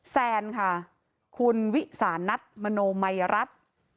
แซนค่ะคุณวิสานัตมโนไมรัต